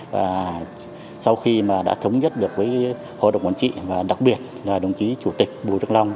và sau khi mà đã thống nhất được với hội đồng quản trị và đặc biệt là đồng chí chủ tịch bùi đức long